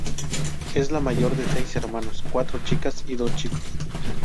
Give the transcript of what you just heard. Es la mayor de seis hermanos; cuatro chicas y dos chicos.